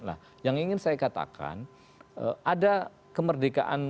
nah yang ingin saya katakan ada kemerdekaan